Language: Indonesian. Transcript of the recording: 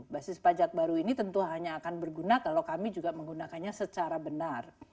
basis pajak baru ini tentu hanya akan berguna kalau kami juga menggunakannya secara benar